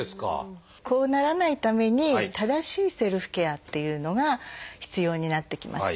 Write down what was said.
こうならないために正しいセルフケアっていうのが必要になってきます。